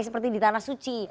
seperti di tanah suci